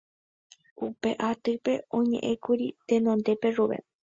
Upe atýpe oñe'ẽkuri tenondete Rubén